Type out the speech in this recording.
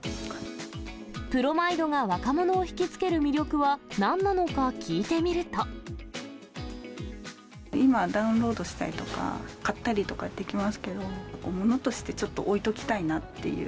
プロマイドが若者を引き付け今、ダウンロードしたりとか、買ったりとかできますけど、ものとしてちょっと置いときたいなっていう。